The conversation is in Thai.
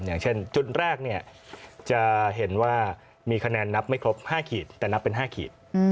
อย่างเช่นจุดแรกจะเห็นว่ามีคะแนนนับไม่ครบ๕ขีดแต่นับเป็น๕ขีด